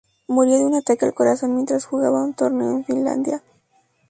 Murió de un ataque al corazón mientras jugaba un torneo en Finlandia.